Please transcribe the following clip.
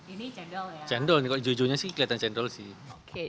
ini cendol ya cendol nih kok jujurnya sih